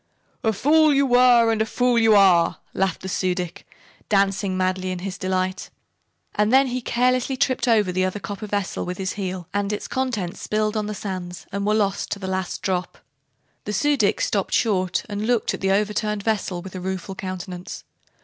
"A fool you were, and a fool you are!" laughed the Su dic, dancing madly in his delight. And then he carelessly tipped over the other copper vessel with his heel and its contents spilled on the sands and were lost to the last drop. The Su dic stopped short and looked at the overturned vessel with a rueful countenance.